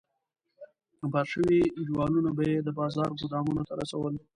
بار شوي جوالونه به یې د بازار ګودامونو ته رسول.